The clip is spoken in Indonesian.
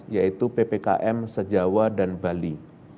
yaitu ppkm se jawa dan bali